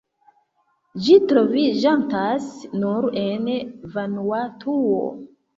Ĝi troviĝantas nur en Vanuatuo.